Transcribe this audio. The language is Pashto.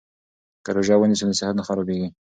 که روژه ونیسو نو صحت نه خرابیږي.